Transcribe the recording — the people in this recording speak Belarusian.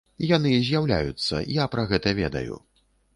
Яны з'яўляюцца, я пра гэта ведаю.